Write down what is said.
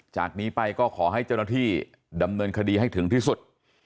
จากนี้ไปก็ขอให้เจ้าหน้าที่ดำเนินคดีให้ถึงที่สุด